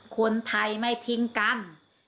คนไทยไม่ทิ้งกัน